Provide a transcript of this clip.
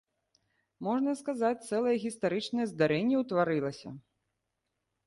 Можна сказаць, цэлае гістарычнае здарэнне ўтварылася.